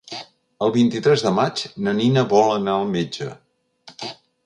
El vint-i-tres de maig na Nina vol anar al metge.